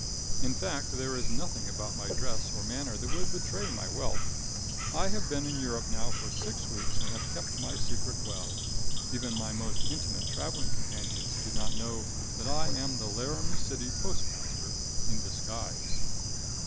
In fact there is nothing about my dress or manner that would betray my wealth. I have been in Europe now six weeks and have kept my secret well. Even my most intimate traveling companions do not know that I am the Laramie City postmaster in disguise.